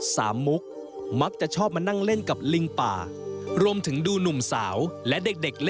สามุกมักจะชอบมานั่งเล่นกับลิงป่า